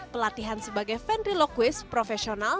pelatihan sebagai ventriloquist profesional